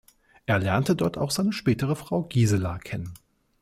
Er lernte dort auch seine spätere Frau Gisela kennen.